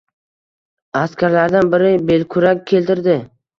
Askarlardan biri belkurak keltirdi